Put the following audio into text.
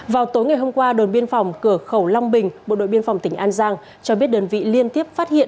vào tối ngày hôm qua đồn biên phòng cửa khẩu long bình bộ đội biên phòng tỉnh an giang cho biết đơn vị liên tiếp phát hiện